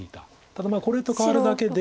ただこれと換わるだけで。